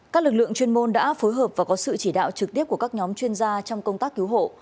các lực lượng chuyên môn đã phối hợp và có sự chỉ đạo trực tiếp của các nhóm chuyên gia trong công tác cứu hộ